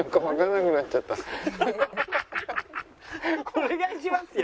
お願いしますよ。